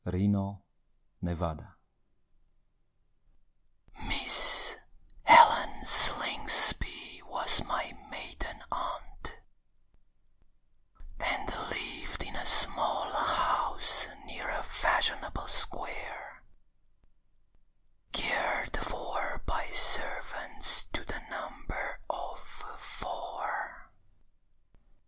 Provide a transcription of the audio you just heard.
Aunt Helen Miss Helen Slingsby was my maiden aunt, And lived in a small house near a fashionable square Cared for by servants to the number of four.